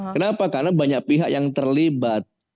kenapa karena banyak pihak yang terlibat